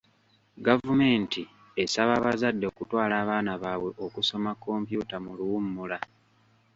Gavumenti esaba abazadde okutwala abaana baabwe okusoma kompyuta mu luwummula.